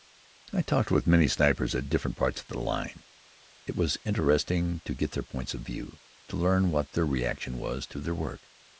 I talked with many snipers at different parts of the line. It was interesting to get their points of view, to learn what their reaction was to their work.